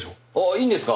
いいんですか？